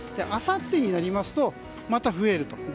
あさってになりますとまた増えると。